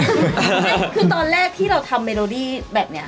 คือตอนแรกที่เราทำเมโลดี้แบบนี้